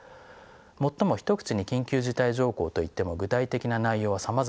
最も一口に緊急事態条項といっても具体的な内容はさまざまです。